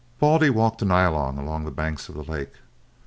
Baldy walked to Nyalong along the banks of the lake.